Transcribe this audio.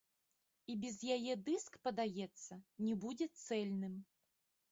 І без яе дыск, падаецца, не будзе цэльным.